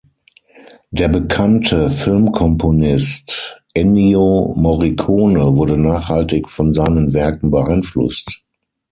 Der bekannte Filmkomponist Ennio Morricone wurde nachhaltig von seinen Werken beeinflusst.